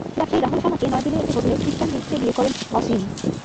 ব্যবসায়ী রাহুল শর্মাকে নয়াদিল্লির একটি হোটেলে খ্রিষ্টান রীতিতে বিয়ে করেন অসিন।